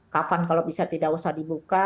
kapan kalau bisa tidak usah dibuka